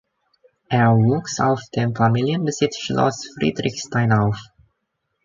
Er wuchs auf dem Familienbesitz Schloss Friedrichstein auf.